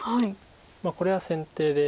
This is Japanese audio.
これは先手で。